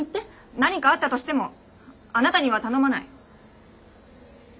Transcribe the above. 何かあったとしてもあなたには頼まない。